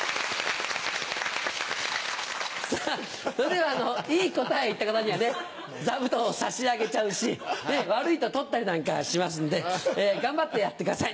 それではいい答えを言った方には座布団を差し上げちゃうし悪いと取ったりなんかしますんで頑張ってやってください。